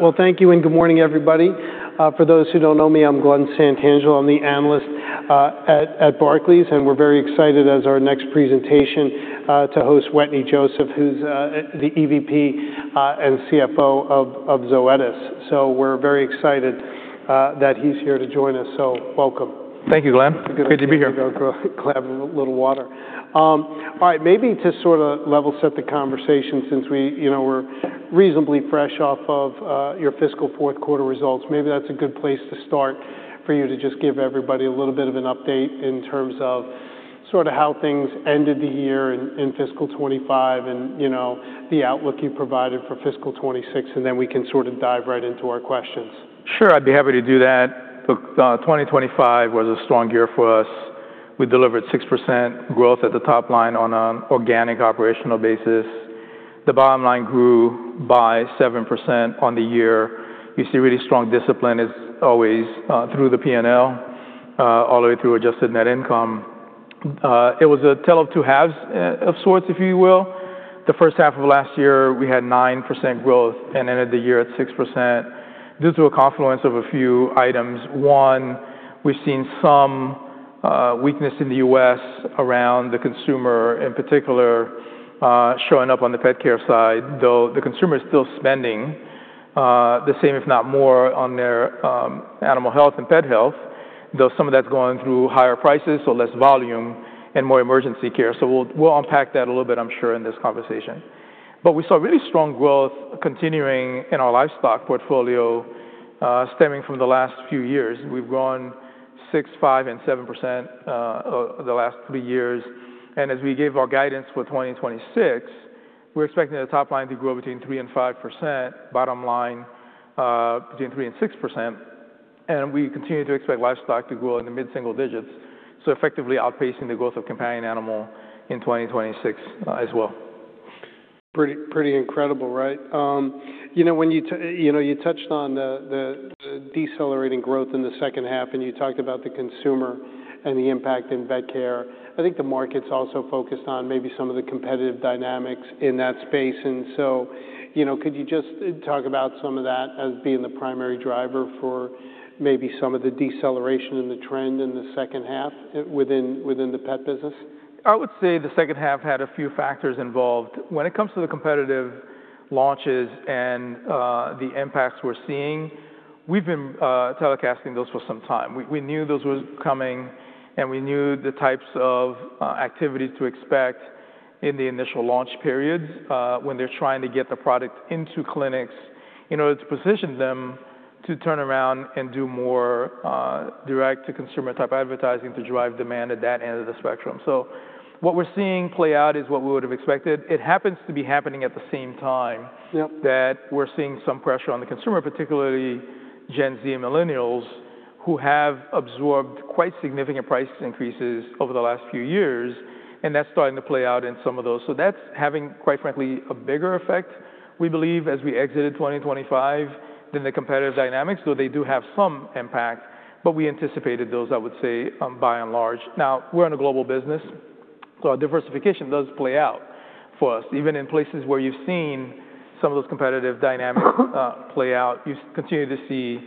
Well, thank you, and good morning, everybody. For those who don't know me, I'm Glen Santangelo. I'm the analyst at Barclays, and we're very excited as our next presentation to host Wetteny Joseph, who's the EVP and CFO of Zoetis. We're very excited that he's here to join us. Welcome. Thank you, Glen. Good to be here. Glen, have a little water. All right. Maybe to sort of level set the conversation since we, you know, we're reasonably fresh off of your fiscal fourth quarter results. Maybe that's a good place to start for you to just give everybody a little bit of an update in terms of sort of how things ended the year in fiscal 2025 and, you know, the outlook you provided for fiscal 2026, and then we can sort of dive right into our questions. Sure. I'd be happy to do that. Look, 2025 was a strong year for us. We delivered 6% growth at the top line on an organic operational basis. The bottom line grew by 7% on the year. You see really strong discipline is always through the P&L all the way through adjusted net income. It was a tale of two halves of sorts, if you will. The first half of last year, we had 9% growth and ended the year at 6% due to a confluence of a few items. One, we've seen some weakness in the U.S. around the consumer, in particular, showing up on the pet care side, though the consumer is still spending the same if not more on their animal health and pet health, though some of that's gone through higher prices, so less volume and more emergency care. We'll unpack that a little bit, I'm sure, in this conversation. We saw really strong growth continuing in our livestock portfolio, stemming from the last few years. We've grown 6%, 5%, and 7% over the last three years. As we gave our guidance for 2026, we're expecting the top line to grow between 3% and 5%, bottom line between 3% and 6%. We continue to expect livestock to grow in the mid-single digits%, so effectively outpacing the growth of companion animal in 2026, as well. Pretty incredible, right? You know, when you you know, you touched on the decelerating growth in the second half, and you talked about the consumer and the impact in vet care. I think the market's also focused on maybe some of the competitive dynamics in that space. You know, could you just talk about some of that as being the primary driver for maybe some of the deceleration in the trend in the second half within the pet business? I would say the second half had a few factors involved. When it comes to the competitive launches and the impacts we're seeing, we've been telecasting those for some time. We knew those were coming, and we knew the types of activities to expect in the initial launch periods when they're trying to get the product into clinics in order to position them to turn around and do more direct-to-consumer type advertising to drive demand at that end of the spectrum. What we're seeing play out is what we would've expected. It happens to be happening at the same time. Yep. That we're seeing some pressure on the consumer, particularly Gen Z and millennials, who have absorbed quite significant price increases over the last few years, and that's starting to play out in some of those. That's having, quite frankly, a bigger effect, we believe, as we exited 2025 than the competitive dynamics, though they do have some impact, but we anticipated those, I would say, by and large. Now, we're in a global business, so diversification does play out for us. Even in places where you've seen some of those competitive dynamics play out, you continue to see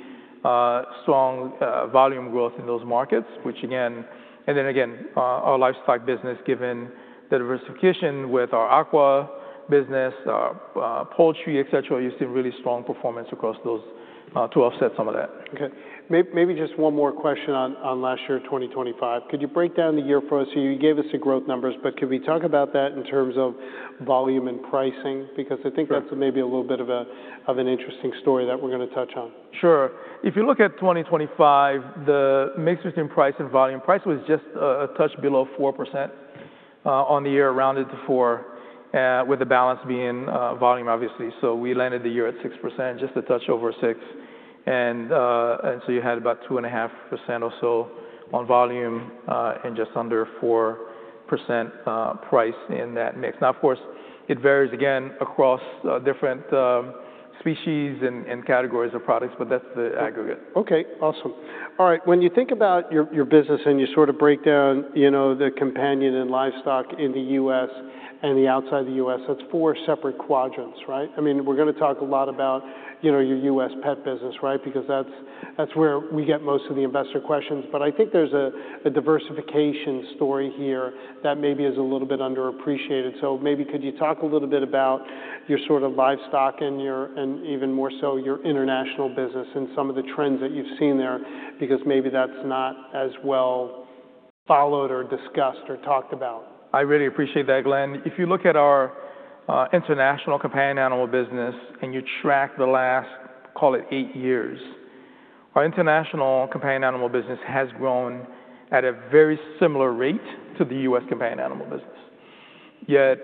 strong volume growth in those markets, which again and then again our livestock business, given the diversification with our aqua business, our poultry, etcetera, you see really strong performance across those to offset some of that. Okay. Maybe just one more question on last year, 2025. Could you break down the year for us? You gave us the growth numbers, but could we talk about that in terms of volume and pricing? Because I think. Sure That's maybe a little bit of an interesting story that we're gonna touch on. Sure. If you look at 2025, the mix between price and volume, price was just a touch below 4% on the year, rounded to four, with the balance being volume obviously. We landed the year at 6%, just a touch over six. You had about 2.5% or so on volume and just under 4% price in that mix. Of course, it varies again across different species and categories of products, but that's the aggregate. Okay. Awesome. All right. When you think about your business and you sort of break down, you know, the companion and livestock in the U.S. and the outside the U.S., that's four separate quadrants, right? I mean, we're gonna talk a lot about, you know, your U.S. pet business, right? Because that's where we get most of the investor questions. But I think there's a diversification story here that maybe is a little bit underappreciated. Maybe could you talk a little bit about your sort of livestock and your and even more so, your international business and some of the trends that you've seen there, because maybe that's not as well followed or discussed or talked about. I really appreciate that, Glenn. If you look at our international companion animal business and you track the last, call it eight years, our international companion animal business has grown at a very similar rate to the U.S. companion animal business. Yet,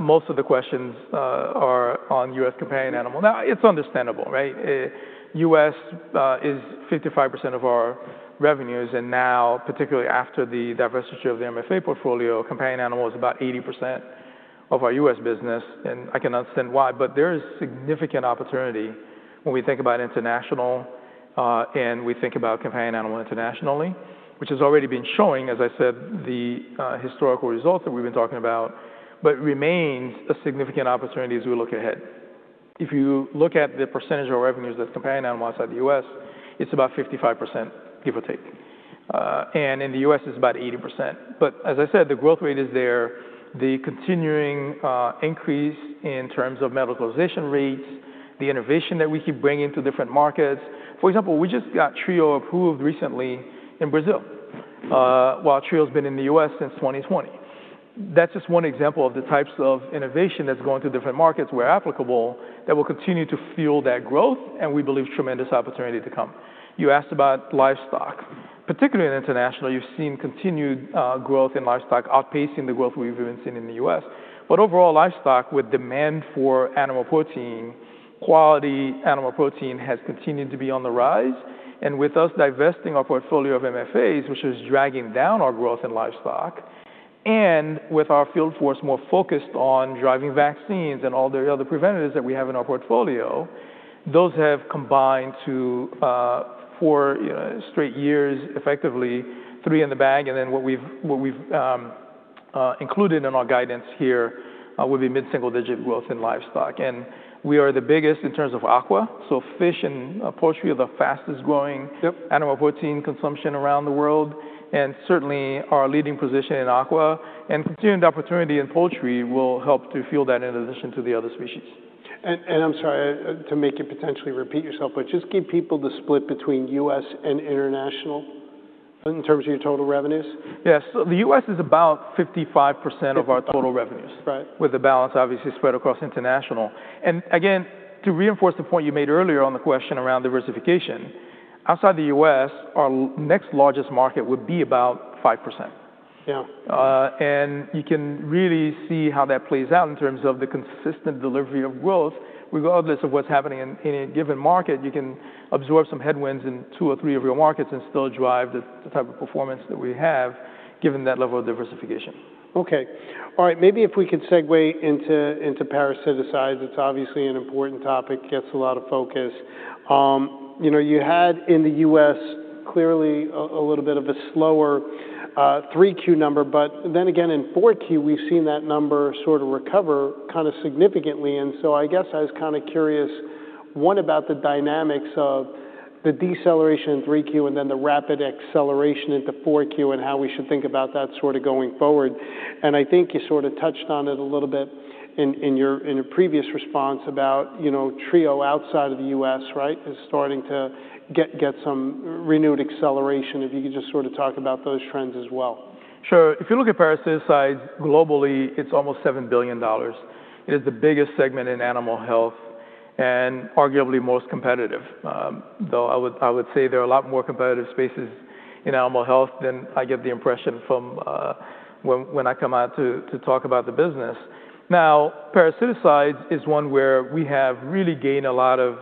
most of the questions are on U.S. companion animal. Now, it's understandable, right? U.S. is 55% of our revenues, and now, particularly after the divestiture of the MFA portfolio, companion animal is about 80% of our U.S. business, and I can understand why. There is significant opportunity when we think about international, and we think about companion animal internationally, which has already been showing, as I said, the historical results that we've been talking about, but remains a significant opportunity as we look ahead. If you look at the percentage of revenues that's companion animals outside the US, it's about 55%, give or take. In the U.S. it's about 80%. As I said, the growth rate is there. The continuing increase in terms of medicalization rates, the innovation that we keep bringing to different markets. For example, we just got Trio approved recently in Brazil, while Trio's been in the U.S. since 2020. That's just one example of the types of innovation that's going to different markets where applicable that will continue to fuel that growth, and we believe tremendous opportunity to come. You asked about livestock. Particularly in international, you've seen continued growth in livestock outpacing the growth we've even seen in the U.S.. Overall, livestock, with demand for animal protein, quality animal protein has continued to be on the rise. With us divesting our portfolio of MFAs, which is dragging down our growth in livestock, and with our field force more focused on driving vaccines and all the other preventatives that we have in our portfolio, those have combined to four straight years, effectively three in the bag, and then what we've included in our guidance here would be mid-single-digit growth in livestock. We are the biggest in terms of aqua, so fish and poultry are the fastest growing. Yep. animal protein consumption around the world, and certainly our leading position in aqua and continued opportunity in poultry will help to fuel that in addition to the other species. I'm sorry to make you potentially repeat yourself, but just give people the split between U.S. and international in terms of your total revenues. Yes. The U.S. is about 55% of our total revenues. Right... with the balance obviously spread across international. Again, to reinforce the point you made earlier on the question around diversification, outside the U.S., our next largest market would be about 5%. Yeah. You can really see how that plays out in terms of the consistent delivery of growth. Regardless of what's happening in a given market, you can absorb some headwinds in two or three of your markets and still drive the type of performance that we have given that level of diversification. Okay. All right. Maybe if we could segue into parasiticides. It's obviously an important topic, gets a lot of focus. You know, you had in the U.S. clearly a little bit of a slower Q3 number, but then again in Q4, we've seen that number sort of recover kind of significantly. I guess I was kind of curious, one, about the dynamics of the deceleration in Q3 and then the rapid acceleration into Q4, and how we should think about that sort of going forward. I think you sort of touched on it a little bit in your in a previous response about, you know, Trio outside of the U.S., right? Is starting to get some renewed acceleration, if you could just sort of talk about those trends as well. Sure. If you look at parasiticides globally, it's almost $7 billion. It is the biggest segment in animal health and arguably most competitive. Though I would say there are a lot more competitive spaces in animal health than I get the impression from when I come out to talk about the business. Now, parasiticides is one where we have really gained a lot of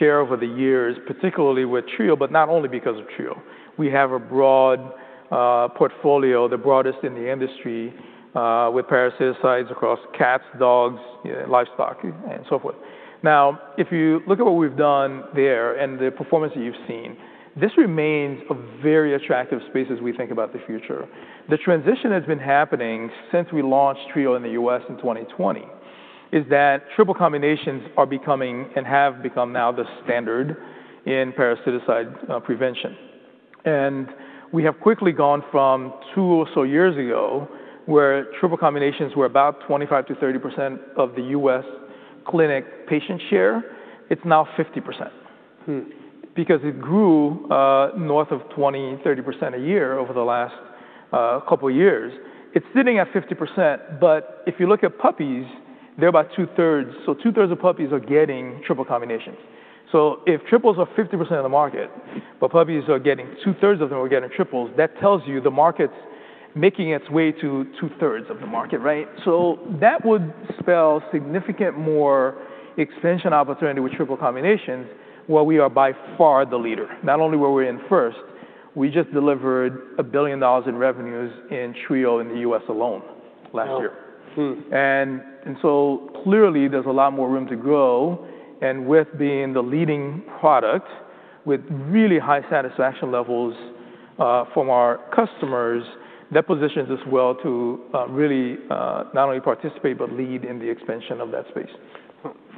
share over the years, particularly with Trio, but not only because of Trio. We have a broad portfolio, the broadest in the industry, with parasiticides across cats, dogs, livestock and so forth. Now, if you look at what we've done there and the performance that you've seen, this remains a very attractive space as we think about the future. The transition that's been happening since we launched Trio in the U.S.. In 2020 is that triple combinations are becoming and have become now the standard in parasiticide prevention. We have quickly gone from two or so years ago, where triple combinations were about 25%-30% of the US clinic patient share. It's now 50%. Hmm. Because it grew north of 20-30% a year over the last couple years. It's sitting at 50%, but if you look at puppies, they're about 2/3. 2/3 of puppies are getting triple combinations. If triples are 50% of the market, but puppies, 2/3 of them are getting triples, that tells you the market's making its way to 2/3 of the market, right? That would spell significant more expansion opportunity with triple combinations, where we are by far the leader. Not only were we in first, we just delivered $1 billion in revenues in Trio in the U.S. alone last year. Wow. Hmm. Clearly there's a lot more room to grow, and with being the leading product with really high satisfaction levels from our customers, that positions us well to really not only participate, but lead in the expansion of that space. For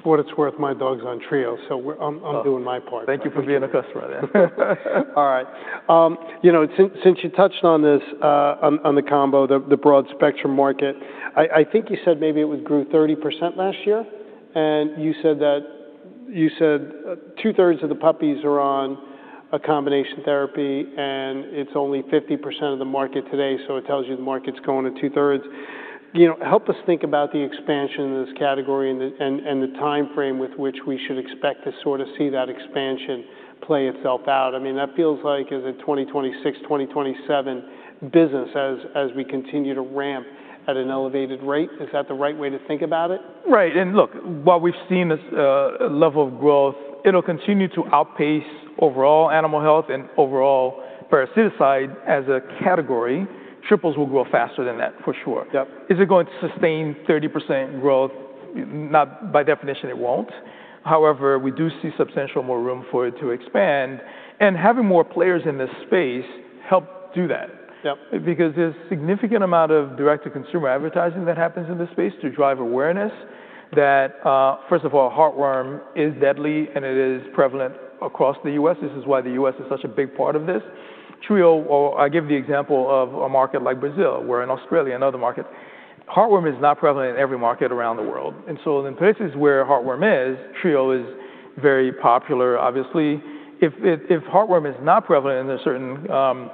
what it's worth, my dog's on Trio, so I'm doing my part. Thank you for being a customer then. All right. You know, since you touched on this, on the combo, the broad spectrum market, I think you said maybe it grew 30% last year, and you said two-thirds of the puppies are on a combination therapy, and it's only 50% of the market today, so it tells you the market's going to two-thirds. You know, help us think about the expansion in this category and the timeframe with which we should expect to sort of see that expansion play itself out. I mean, that feels like is a 2026, 2027 business as we continue to ramp at an elevated rate. Is that the right way to think about it? Right. Look, while we've seen this level of growth, it'll continue to outpace overall animal health and overall parasiticide as a category. Triples will grow faster than that for sure. Yep. Is it going to sustain 30% growth? Not by definition, it won't. However, we do see substantial more room for it to expand, and having more players in this space help do that. Yep. Because there's significant amount of direct-to-consumer advertising that happens in this space to drive awareness that, first of all, heartworm is deadly and it is prevalent across the U.S. This is why the U.S. is such a big part of this. Or I give the example of a market like Brazil or in Australia and other markets. Heartworm is not prevalent in every market around the world, and so in places where heartworm is, Trio is very popular obviously. If heartworm is not prevalent in a certain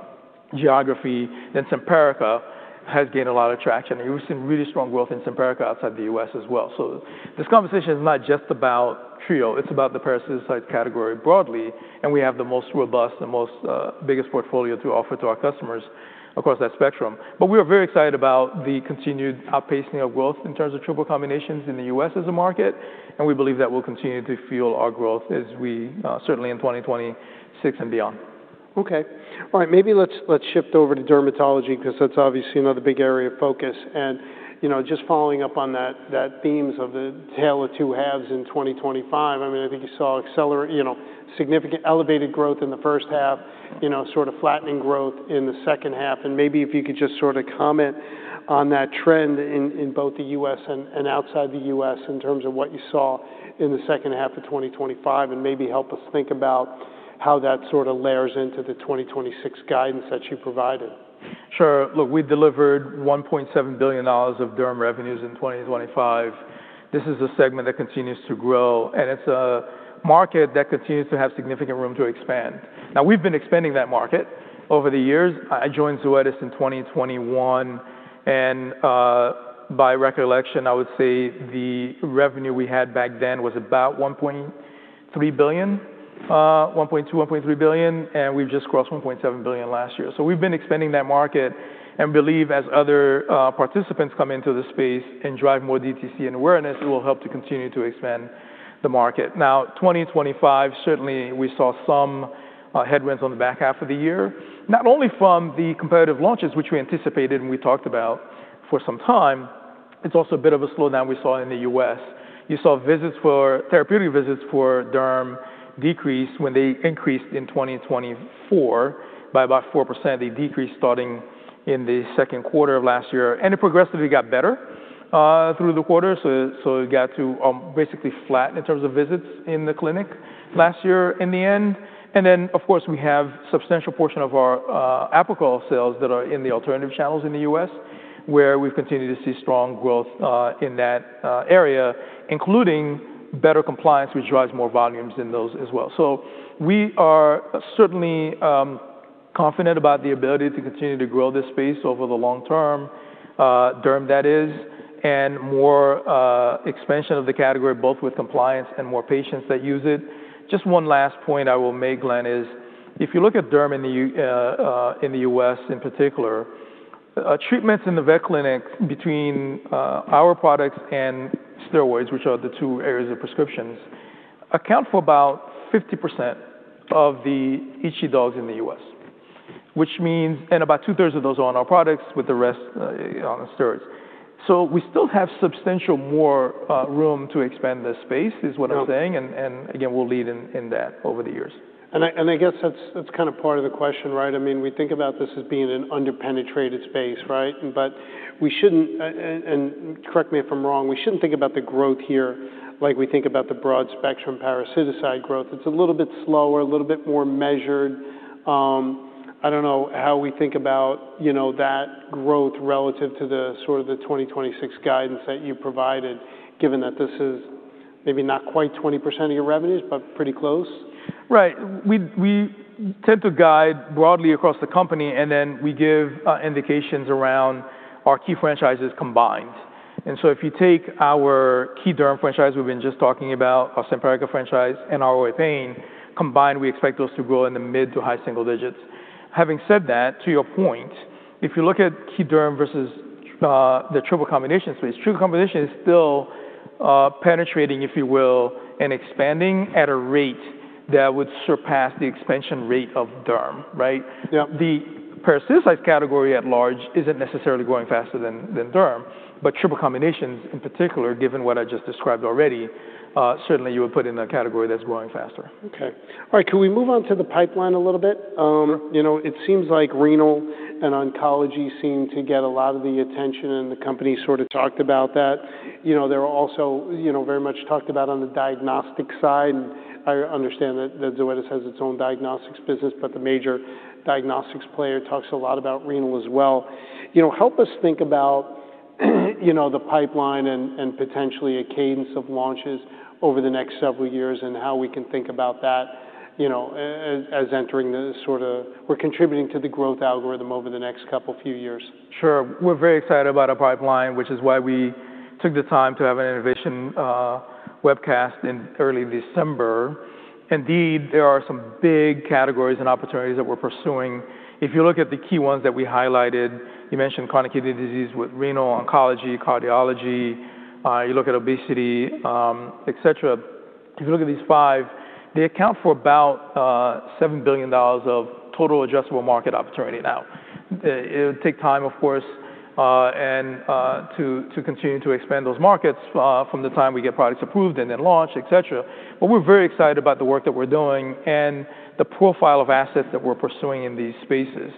geography, then Simparica has gained a lot of traction, and we've seen really strong growth in Simparica outside the U.S. as well. This conversation is not just about Trio, it's about the parasiticides category broadly, and we have the most robust and most biggest portfolio to offer to our customers across that spectrum. We are very excited about the continued outpacing of growth in terms of triple combinations in the US as a market, and we believe that will continue to fuel our growth as we certainly in 2026 and beyond. Okay. All right. Maybe let's shift over to Dermatology because that's obviously another big area of focus and, you know, just following up on that themes of the tale of two halves in 2025. I mean, I think you saw significant elevated growth in the first half, you know, sort of flattening growth in the second half, and maybe if you could just sort of comment on that trend in both the U.S. and outside the U.S. in terms of what you saw in the second half of 2025 and maybe help us think about how that sort of layers into the 2026 guidance that you provided. Sure. Look, we delivered $1.7 billion of derm revenues in 2025. This is a segment that continues to grow, and it's a market that continues to have significant room to expand. Now, we've been expanding that market over the years. I joined Zoetis in 2021, and by recollection, I would say the revenue we had back then was about $1.3 billion, 1.2, $1.3 billion, and we've just crossed $1.7 billion last year. We've been expanding that market and believe as other participants come into the space and drive more DTC and awareness, it will help to continue to expand the market. Now, 2025, certainly we saw some headwinds on the back half of the year, not only from the competitive launches which we anticipated and we talked about for some time. It's also a bit of a slowdown we saw in the U.S.. You saw therapeutic visits for derm decrease when they increased in 2024 by about 4%. They decreased starting in the second quarter of last year, and it progressively got better through the quarter. It got to basically flatten in terms of visits in the clinic last year in the end. Then, of course, we have substantial portion of our Apoquel sales that are in the alternative channels in the U.S., where we've continued to see strong growth in that area, including better compliance, which drives more volumes in those as well. We are certainly confident about the ability to continue to grow this space over the long term, derm that is, and more expansion of the category, both with compliance and more patients that use it. Just one last point I will make, Glenn, is if you look at derm in the U.S. in particular, treatments in the vet clinic between our products and steroids, which are the two areas of prescriptions, account for about 50% of the itchy dogs in the U.S., which means about two-thirds of those are on our products with the rest on the steroids. We still have substantial more room to expand this space. Yep. This is what I'm saying, and again, we'll lead in that over the years. I guess that's kind of part of the question, right? I mean, we think about this as being an under-penetrated space, right? We shouldn't, and correct me if I'm wrong, we shouldn't think about the growth here like we think about the broad-spectrum parasiticides growth. It's a little bit slower, a little bit more measured. I don't know how we think about, you know, that growth relative to the sort of the 2026 guidance that you provided, given that this is maybe not quite 20% of your revenues, but pretty close. Right. We tend to guide broadly across the company, and then we give indications around our key franchises combined. If you take our key derm franchise we've been just talking about, our Simparica franchise and our pain combined, we expect those to grow in the mid- to high-single-digit %. Having said that, to your point, if you look at key derm versus the triple combination space, triple combination is still penetrating, if you will, and expanding at a rate that would surpass the expansion rate of derm, right? Yep. The parasiticides category at large isn't necessarily growing faster than derm, but triple combinations in particular, given what I just described already, certainly you would put in a category that's growing faster. Okay. All right. Can we move on to the pipeline a little bit? Sure. You know, it seems like renal and oncology seem to get a lot of the attention, and the company sort of talked about that. You know, they're also you know very much talked about on the diagnostic side. I understand that Zoetis has its own diagnostics business, but the major diagnostics player talks a lot about renal as well. You know, help us think about you know the pipeline and potentially a cadence of launches over the next several years and how we can think about that, you know, as we're contributing to the growth algorithm over the next couple few years. Sure. We're very excited about our pipeline, which is why we took the time to have an innovation webcast in early December. Indeed, there are some big categories and opportunities that we're pursuing. If you look at the key ones that we highlighted, you mentioned chronic kidney disease with renal, oncology, cardiology, you look at obesity, etcetera. If you look at these five. They account for about $7 billion of total addressable market opportunity now. It would take time, of course, and to continue to expand those markets from the time we get products approved and then launched, etcetera. We're very excited about the work that we're doing and the profile of assets that we're pursuing in these spaces.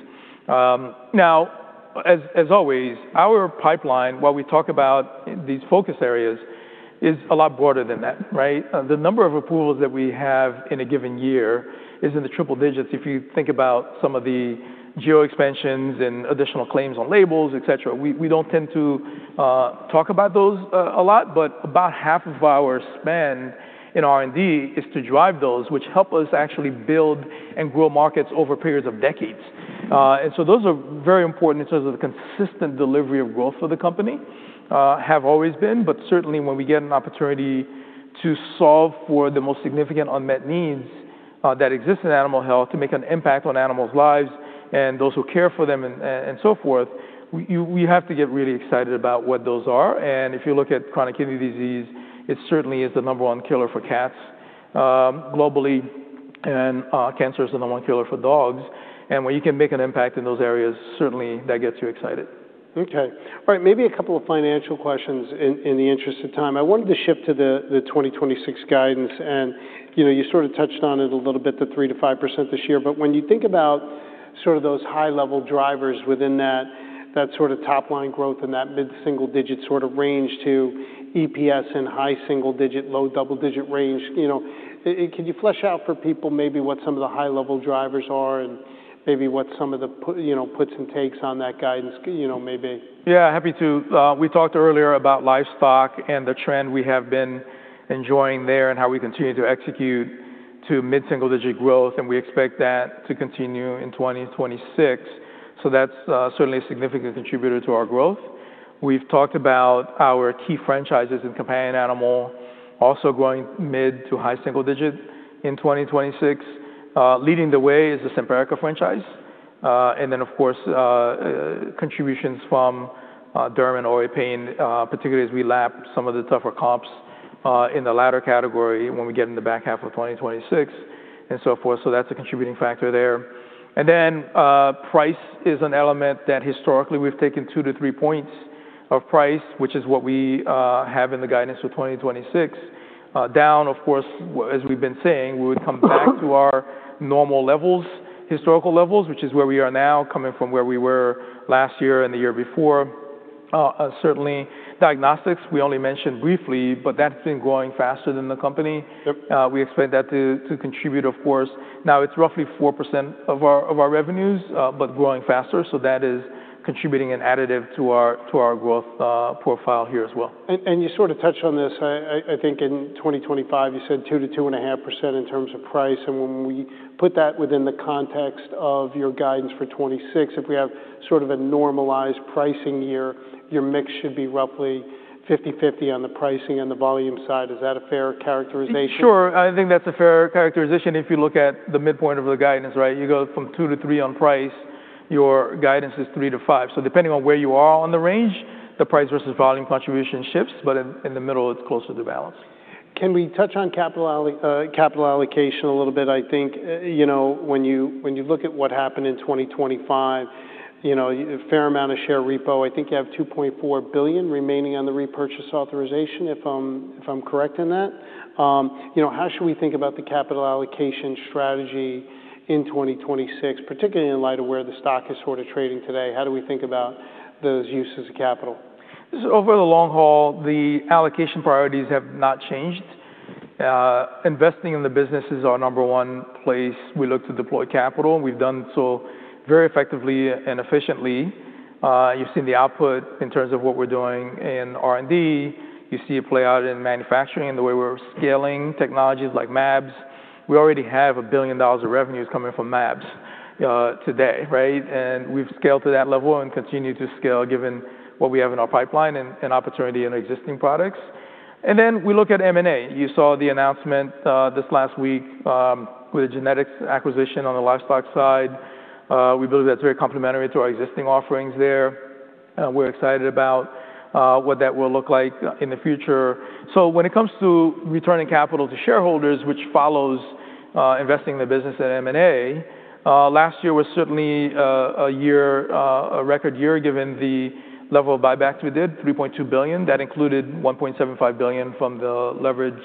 Now, as always, our pipeline, while we talk about these focus areas, is a lot broader than that, right? The number of approvals that we have in a given year is in the triple digits. If you think about some of the geo expansions and additional claims on labels, etcetera, we don't tend to talk about those a lot, but about half of our spend in R&D is to drive those which help us actually build and grow markets over periods of decades. Those are very important in terms of the consistent delivery of growth for the company, have always been. Certainly when we get an opportunity to solve for the most significant unmet needs that exist in animal health to make an impact on animals' lives and those who care for them and so forth, we have to get really excited about what those are. If you look at chronic kidney disease, it certainly is the number one killer for cats globally, and cancer is the number one killer for dogs. When you can make an impact in those areas, certainly that gets you excited. Okay. All right, maybe a couple of financial questions in the interest of time. I wanted to shift to the 2026 guidance, and you know, you sort of touched on it a little bit, the 3%-5% this year. When you think about sort of those high level drivers within that sort of top-line growth and that mid-single-digit sort of range to EPS and high single-digit, low double-digit range, you know, can you flesh out for people maybe what some of the high level drivers are and maybe what some of the puts and takes on that guidance, you know, maybe? Yeah, happy to. We talked earlier about livestock and the trend we have been enjoying there and how we continue to execute to mid-single-digit% growth, and we expect that to continue in 2026. That's certainly a significant contributor to our growth. We've talked about our key franchises in companion animal also growing mid- to high-single-digit% in 2026. Leading the way is the Simparica franchise, and then of course, contributions from Dermatology and OA Pain, particularly as we lap some of the tougher comps in the latter category when we get in the back half of 2026 and so forth. That's a contributing factor there. Price is an element that historically we've taken 2-3 points of price, which is what we have in the guidance for 2026. Down, of course, as we've been saying, we would come back to our normal levels, historical levels, which is where we are now coming from where we were last year and the year before. Certainly diagnostics we only mentioned briefly, but that's been growing faster than the company. Yep. We expect that to contribute, of course. Now, it's roughly 4% of our revenues, but growing faster, so that is contributing an additive to our growth profile here as well. You sort of touched on this, I think in 2025, you said 2%-2.5% in terms of price, and when we put that within the context of your guidance for 2026, if we have sort of a normalized pricing year, your mix should be roughly 50-50 on the pricing and the volume side. Is that a fair characterization? Sure. I think that's a fair characterization if you look at the midpoint of the guidance, right? You go from 2%-3% on price. Your guidance is 3%-5%. Depending on where you are on the range, the price versus volume contribution shifts, but in the middle it's closer to balance. Can we touch on capital allocation a little bit? I think, you know, when you look at what happened in 2025, you know, a fair amount of share repurchase. I think you have $2.4 billion remaining on the repurchase authorization, if I'm correct on that. You know, how should we think about the capital allocation strategy in 2026, particularly in light of where the stock is sort of trading today? How do we think about those uses of capital? Over the long haul, the allocation priorities have not changed. Investing in the business is our number one place we look to deploy capital, and we've done so very effectively and efficiently. You've seen the output in terms of what we're doing in R&D. You see it play out in manufacturing and the way we're scaling technologies like mAbs. We already have $1 billion of revenues coming from mAbs today, right? We've scaled to that level and continue to scale given what we have in our pipeline and opportunity in existing products. We look at M&A. You saw the announcement this last week with the genetics acquisition on the livestock side. We believe that's very complementary to our existing offerings there. We're excited about what that will look like in the future. When it comes to returning capital to shareholders, which follows investing in the business at M&A, last year was certainly a record year given the level of buybacks we did, $3.2 billion. That included $1.75 billion from the leverage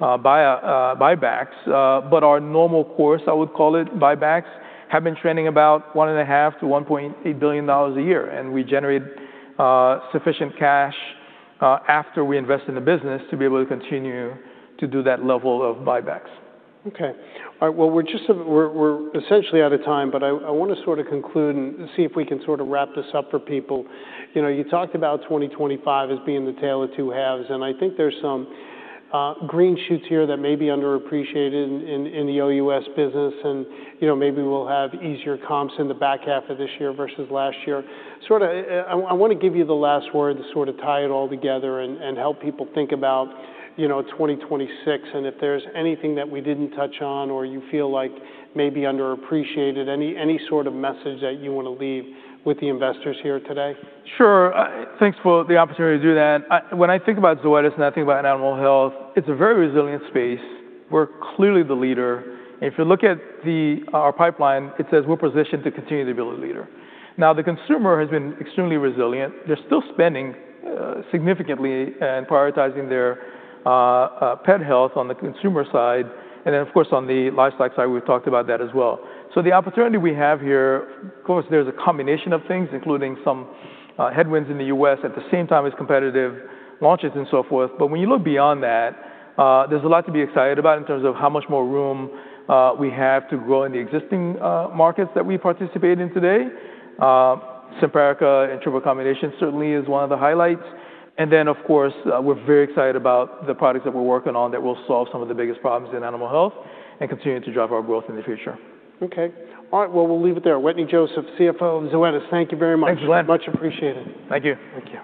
buybacks. Our normal course, I would call it, buybacks have been trending about $1.5-$1.8 billion a year, and we generate sufficient cash after we invest in the business to be able to continue to do that level of buybacks. Okay. All right, well, we're essentially out of time, but I wanna sort of conclude and see if we can sort of wrap this up for people. You know, you talked about 2025 as being the tale of two halves, and I think there's some green shoots here that may be underappreciated in the OUS business and, you know, maybe we'll have easier comps in the back half of this year versus last year. Sort of, I wanna give you the last word to sort of tie it all together and help people think about, you know, 2026 and if there's anything that we didn't touch on or you feel like may be underappreciated. Any sort of message that you wanna leave with the investors here today? Sure. Thanks for the opportunity to do that. When I think about Zoetis and I think about animal health, it's a very resilient space. We're clearly the leader. If you look at our pipeline, it says we're positioned to continue to be the leader. Now, the consumer has been extremely resilient. They're still spending significantly and prioritizing their pet health on the consumer side. Of course, on the livestock side, we've talked about that as well. The opportunity we have here, of course, there's a combination of things, including some headwinds in the U.S. at the same time as competitive launches and so forth. When you look beyond that, there's a lot to be excited about in terms of how much more room we have to grow in the existing markets that we participate in today. Simparica and triple combination certainly is one of the highlights. Of course, we're very excited about the products that we're working on that will solve some of the biggest problems in animal health and continue to drive our growth in the future. Okay. All right, well, we'll leave it there. Wetteny Joseph, CFO of Zoetis, thank you very much. Thanks, Glen. Much appreciated. Thank you. Thank you.